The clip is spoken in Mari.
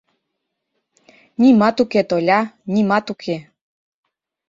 Нимат уке, Толя, нимат уке.